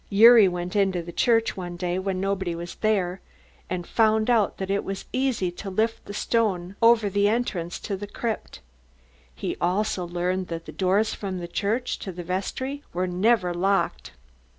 Gyuri went into the church one day when nobody was there and found out that it was easy to lift the stone over the entrance to the crypt. He also learned that the doors from the church to the vestry were never locked.